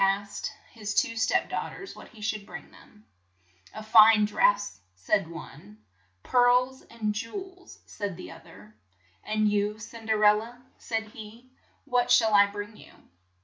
98 CINDERELLA his two step daugh ters what he should bring them. "A fine dress," said one. "Pearls and jew els," said the oth er. "And you, Cin .der el la, " said he, "what shall I bring you?"